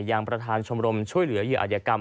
ยังประธานชมรมช่วยเหลือเหยื่ออายกรรม